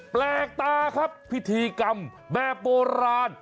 แปลกตาครับพิธีกรรมแบบโบราณ